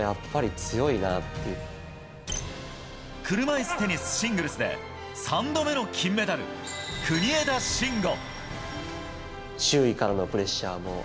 車いすテニスシングルスで３度目の金メダル、国枝慎吾。